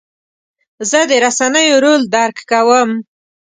زه د رسنیو رول درک کوم.